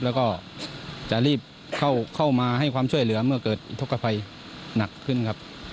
แล้วก็จะรีบเข้ามาให้ความช่วยเหลือเมื่อเกิดทกภัยหนักขึ้นครับ